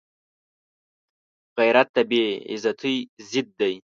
غیرت د بې عزتۍ ضد دی